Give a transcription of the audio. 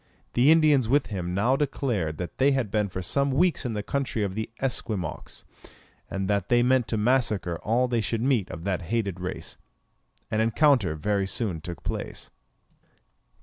The Indians with him now declared that they had been for some weeks in the country of the Esquimaux, and that they meant to massacre all they should meet of that hated race. An encounter very soon took place.